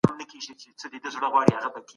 تاسي ولي د پښتو په پخواني معيار شک وکړی؟